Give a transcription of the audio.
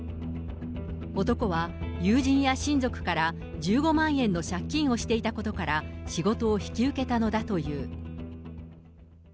男は、友人や親族から１５万円の借金をしていたことから、仕事を引き受けたのだという。